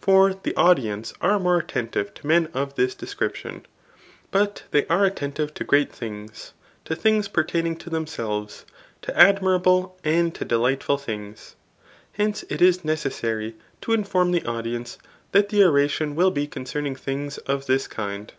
For the audience are more attentive to men of this description. But they are attentive to great things^ 260 "THE ART OF BOOK UK to things pertaining to themselves, to admirable, and to delightful things. Hence, it is netessary to inform the audience that the oradcm vill be concerning things of this kind.